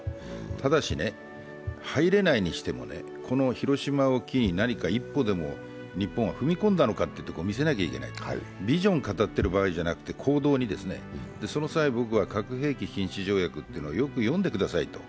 ただし、入れないにしても、この広島を機に何か一歩でも日本は踏み込んだのかというところを見せなきゃいけないビジョンを語ってるだけでなく行動に、その際、僕は核兵器禁止条約をよく読んでくださいと。